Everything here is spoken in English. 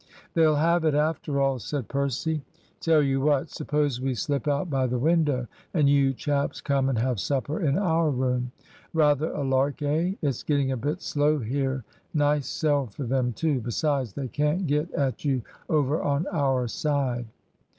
"They'll have it, after all," said Percy. "Tell you what! Suppose we slip out by the window, and you chaps come and have supper in our room. Rather a lark, eh? It's getting a bit slow here. Nice sell for them too. Besides, they can't get at you over on our side."